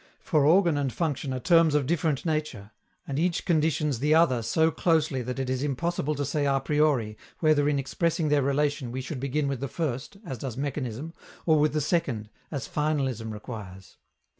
For organ and function are terms of different nature, and each conditions the other so closely that it is impossible to say a priori whether in expressing their relation we should begin with the first, as does mechanism, or with the second, as finalism requires.